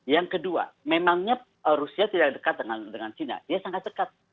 yang kedua memangnya rusia tidak dekat dengan china dia sangat dekat